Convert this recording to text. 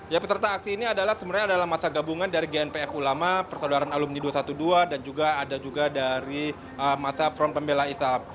ya peserta aksi ini adalah sebenarnya adalah masa gabungan dari gnpf ulama persaudaraan alumni dua ratus dua belas dan juga ada juga dari masa front pembela islam